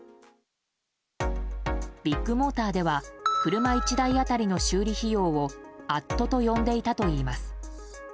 ビッグモーターでは車１台当たりの修理費用をアットと呼んでいたといいます。